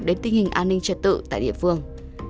đến tình hình an ninh trật tự tại địa phương